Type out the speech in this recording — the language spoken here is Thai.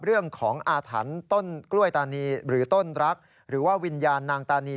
เรื่องของอาถรรพ์ต้นกล้วยตานีหรือต้นรักหรือว่าวิญญาณนางตานี